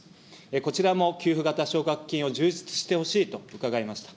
こちらも給付型奨学金を充実してほしいと伺いました。